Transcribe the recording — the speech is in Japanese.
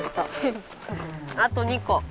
あと２個。